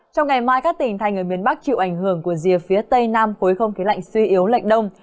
trong ngày mai các tỉnh thành ở miền bắc chịu ảnh hưởng của rìa phía tây nam khối không khí lạnh suy yếu lệch đông